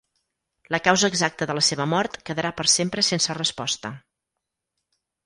La causa exacta de la seva mort quedarà per sempre sense resposta.